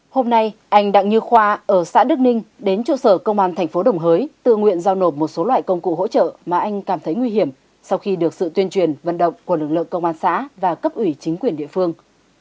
hôm nay anh đặng như khoa ở xã đức ninh đến trụ sở công an thành phố đồng hới tự nguyện giao nộp một số loại công cụ hỗ trợ mà anh cảm thấy nguy hiểm sau khi được sự tuyên truyền vận động của lực lượng công an xã và cấp ủy chính quyền địa phương